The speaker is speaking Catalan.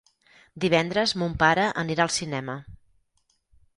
Divendres mon pare anirà al cinema.